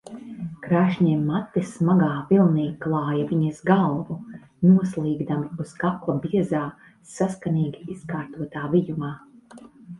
Krāšņie mati smagā vilnī klāja viņas galvu, noslīgdami uz kakla biezā, saskanīgi izkārtotā vijumā.